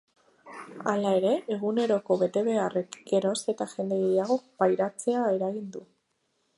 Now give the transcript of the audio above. Hala ere, eguneroko betebeharrek geroz eta jende gehiagok pairatzea eragin du.